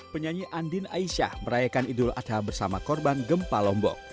penyanyi andin aisyah merayakan idul adha bersama korban gempa lombok